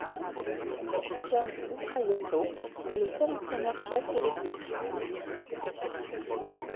Gene Ubriaco est le seul entraîneur-chef de l'équipe.